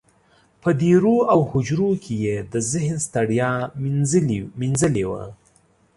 په دېرو او هوجرو کې یې د ذهن ستړیا مینځلې وه.